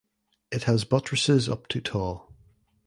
It has buttresses up to tall.